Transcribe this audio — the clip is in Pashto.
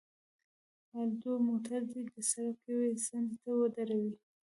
الدو، موټر دې د سړک یوې څنډې ته ودروه.